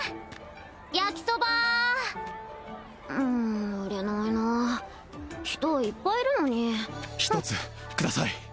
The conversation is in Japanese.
焼きそばうん売れないな人いっぱいいるのに一つください